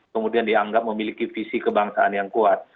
kemudian dianggap memiliki visi kebangsaan yang kuat